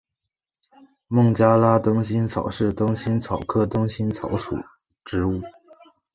孟加拉灯心草是灯心草科灯心草属的植物。